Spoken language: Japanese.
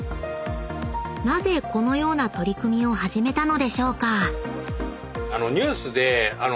［なぜこのような取り組みを始めたのでしょうか？］